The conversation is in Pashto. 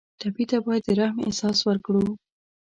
ټپي ته باید د رحم احساس ورکړو.